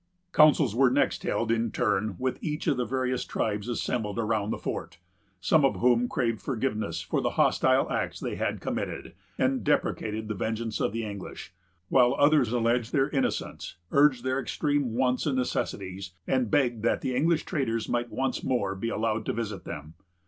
Councils were next held, in turn, with each of the various tribes assembled around the fort, some of whom craved forgiveness for the hostile acts they had committed, and deprecated the vengeance of the English; while others alleged their innocence, urged their extreme wants and necessities, and begged that English traders might once more be allowed to visit them.